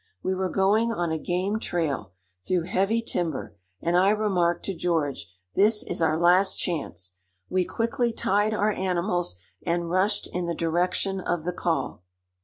We were going on a game trail, through heavy timber, and I remarked to George, "This is our last chance." We quickly tied our animals and rushed in the direction of the call.